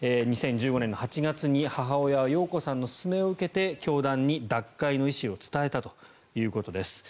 ２０１５年８月に母親は容子さんの勧めを受けて教団に脱会の意思を伝えたということです。